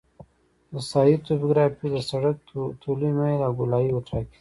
د ساحې توپوګرافي د سرک طولي میل او ګولایي ټاکي